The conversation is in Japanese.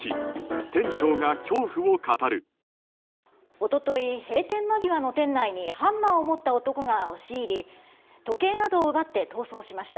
一昨日、閉店間際の店内にハンマーを持った男が押し入り時計などを奪って逃走しました。